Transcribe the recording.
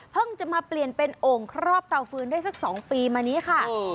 จะมาเปลี่ยนเป็นโอ่งครอบเตาฟื้นได้สัก๒ปีมานี้ค่ะ